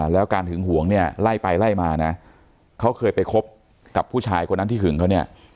แล้วการหึงหวงเนี่ยไล่ไปไล่มานะเขาเคยไปคบกับผู้ชายคนนั้นที่หึงเขาเนี่ย